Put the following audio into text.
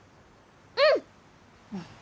うん！